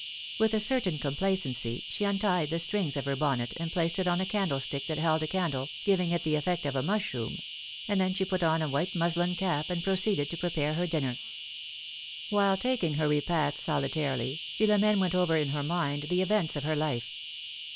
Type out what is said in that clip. With a certain complacency, she untied the strings of her bonnet, and placed it on a candlestick that held a candle, giving it the effect of a mushroom; then she put on a white muslin cap, and proceeded to prepare her dinner. While taking her repast solitarily, Philomene went over in her mind the events of her life.